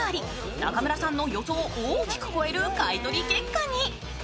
中村さんの予想を大きく超える買い取り結果に。